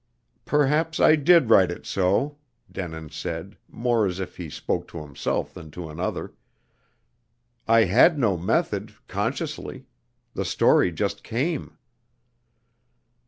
"Perhaps I did write it so," Denin said, more as if he spoke to himself than to another. "I had no method consciously. The story just came."